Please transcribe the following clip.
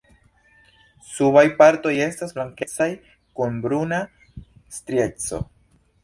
Subaj partoj estas blankecaj kun bruna strieco.